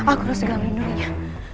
aku harus segala melindunginya